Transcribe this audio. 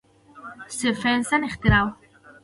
سټېفنسن اختراع وه.